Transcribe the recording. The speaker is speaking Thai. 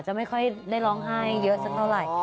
ไม่ค่อยได้ร้องไห้เยอะสักเท่าไหร่